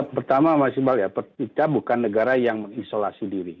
pertama mas ibal kita bukan negara yang mengisolasi diri